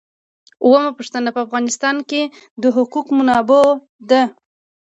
اوومه پوښتنه په افغانستان کې د حقوقي منابعو ده.